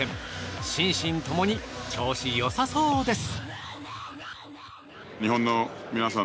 心身ともに調子良さそうです。